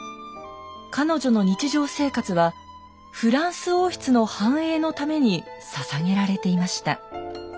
彼女の日常生活はフランス王室の繁栄のためにささげられていました。